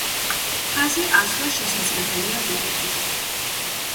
მთაზე ასვლა შესაძლებელია ბილიკით.